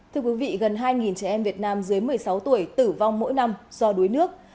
thưa quý vị gần hai trẻ em việt nam dưới một mươi sáu tuổi tử vong mỗi năm do đuối nước